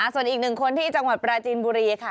ส่วนอีกหนึ่งคนที่จังหวัดปราจีนบุรีค่ะ